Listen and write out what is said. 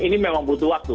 ini memang butuh waktu